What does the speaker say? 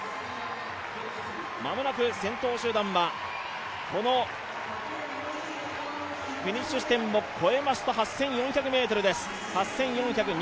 間もなく先頭集団はフィニッシュ地点を超えますと８４００ｍです。